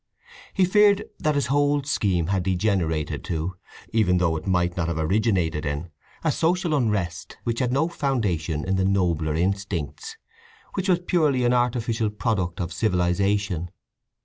He feared that his whole scheme had degenerated to, even though it might not have originated in, a social unrest which had no foundation in the nobler instincts; which was purely an artificial product of civilization.